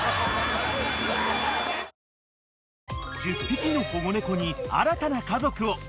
［１０匹の保護猫に新たな家族を］